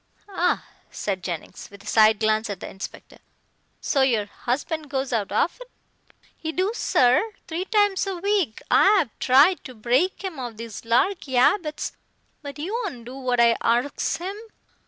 "Ah!" said Jennings, with a side glance at the inspector, "so your husband goes out often?" "He do, sir. Three times a week. I 'ave tried to break 'im of these larky 'abits but he won't do what I arsks him.